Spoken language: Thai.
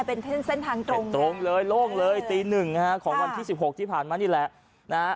เป็นเส้นทางตรงตรงเลยโล่งเลยตีหนึ่งนะฮะของวันที่สิบหกที่ผ่านมานี่แหละนะฮะ